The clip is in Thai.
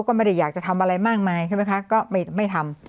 ก็ไม่ได้อยากจะทำอะไรมากมายใช่ไหมคะก็ไม่ทำ